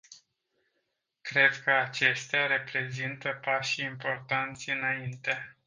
Cred că acestea reprezintă pași importanți înainte.